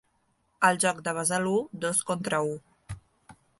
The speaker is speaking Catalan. El joc de Besalú, dos contra u.